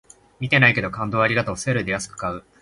見てないけど、感動をありがとうセールで安く買う